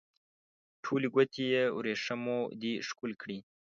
ټولې ګوتې یې وریښمو دي ښکل کړي